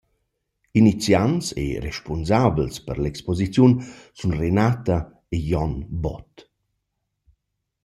Iniziants e respunsabels per l’exposiziun sun Renata e Jon Bott.